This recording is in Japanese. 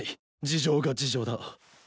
事情が事情だ。